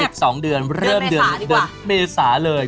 เริ่มเดือน๑๒เดือนเดือนเมษาเลย